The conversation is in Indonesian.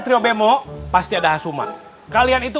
terima bemo pasti ada hasuman